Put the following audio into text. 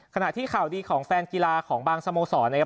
ขณะที่ข่าวดีของแฟนกีฬาของบางสโมสรนะครับ